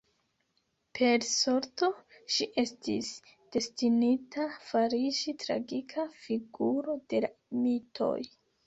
Per Sorto ŝi estis destinita fariĝi tragika figuro de la mitoj.